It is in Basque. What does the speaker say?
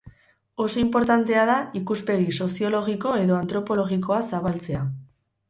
Oso inportantea da ikuspegi soziologiko edo antropologikoa zabaltzea.